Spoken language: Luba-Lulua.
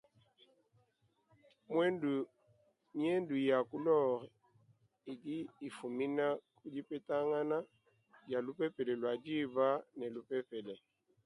Miendu ya ku nord idi ifumina ku dipetangana dia lupepele lua dîba ne lupepele.